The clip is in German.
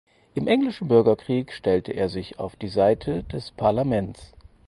Im Englischen Bürgerkrieg stellte er sich auf die Seite des Parlaments.